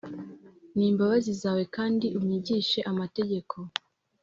N imbabazi zawe kandi unyigishe amategeko